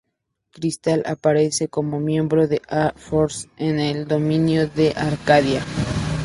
Crystal aparece como miembro de A-Force en el dominio de Arcadia.